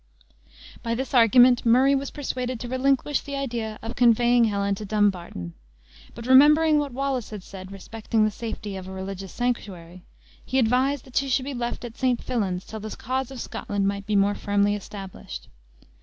By this argument Murray was persuaded to relinquish the idea of conveying Helen to Dumbarton; but remembering what Wallace had said respecting the safety of a religious sanctuary, he advised that she should be left at St. Fillan's till the cause of Scotland might be more firmly established.